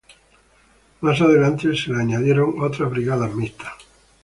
Más adelante se le añadieron otras brigadas mixtas.